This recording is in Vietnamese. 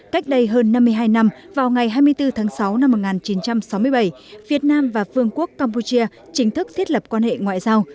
cách đây hơn năm mươi hai năm vào ngày hai mươi bốn tháng sáu năm một nghìn chín trăm sáu mươi bảy việt nam và vương quốc campuchia chính thức thiết lập quan hệ ngoại giao